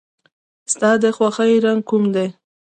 ستا د خوښې رنګ کوم دی؟